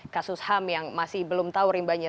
kasus ham yang masih belum tahu rimbanya